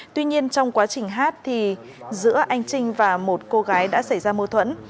tuy nhiên trong quá trình hát thì giữa anh trinh và một cô gái đã xảy ra mâu thuẫn